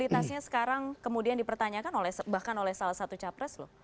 realitasnya sekarang kemudian dipertanyakan bahkan oleh salah satu capres loh